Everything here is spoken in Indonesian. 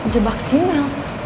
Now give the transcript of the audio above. jebak si mel